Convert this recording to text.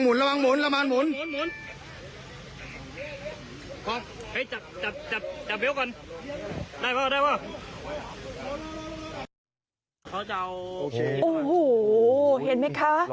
เห็นไหมคะ